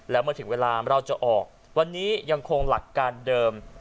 แล้วเมื่อถึงเวลาเราจะออกวันนี้ยังคงหลักการเดิม